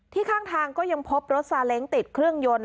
ข้างทางก็ยังพบรถซาเล้งติดเครื่องยนต์